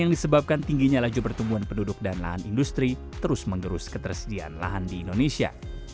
yang disebabkan tingginya laju pertumbuhan penduduk dan lahan industri terus mengerus ketersediaan lahan di indonesia